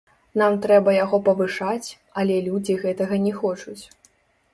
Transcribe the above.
Нам трэба яго павышаць, але людзі гэтага не хочуць.